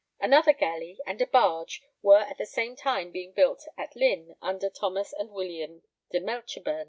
Another galley and a barge were at the same time being built at Lynn under Thomas and William de Melcheburn.